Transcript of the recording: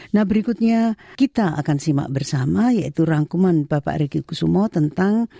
nah berikutnya kita akan simak bersama yaitu rangkuman bapak riki kusumo tentang